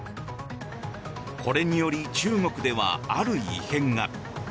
これにより中国ではある異変が。